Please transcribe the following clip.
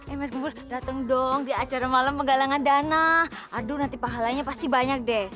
eh mas gembor datang dong di acara malam penggalangan dana aduh nanti pahalanya pasti banyak deh